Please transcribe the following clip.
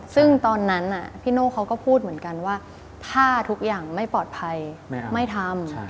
ซึ่งตอนนั้นพี่โน่เขาก็พูดเหมือนกันว่าถ้าทุกอย่างไม่ปลอดภัยไม่ทำ